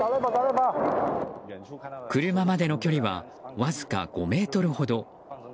車までの距離は、わずか５ｍほど。